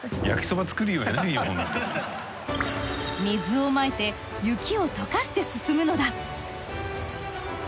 水をまいて雪を溶かして進むのだ。